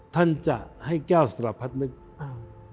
ท่านจะให้ก้าวสลับพัดมะห้า